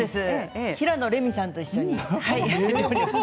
平野レミさんと一緒に。